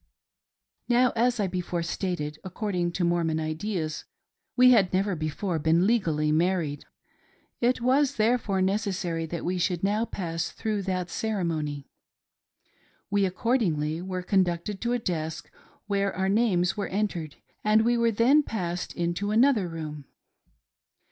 Now, as I before stated, according to Mormon ideas, we had never before been legally married. It was therefore neces sary that we should now pass through that ceremony. We accordingly were conducted to a desk where our names were entered and we were then passed into another room.